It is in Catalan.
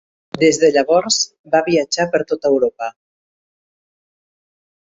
Des de llavors va viatjar per tota Europa.